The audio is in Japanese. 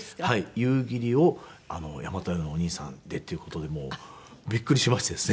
夕霧を大和屋のお兄さんでっていう事でもうびっくりしましてですね。